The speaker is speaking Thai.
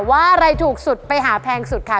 อะไรถูกสุดไปหาแพงสุดค่ะ